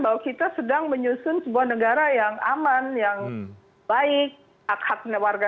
bahwa kita sedang menyusun sebuah negara yang aman yang baik hak hak warga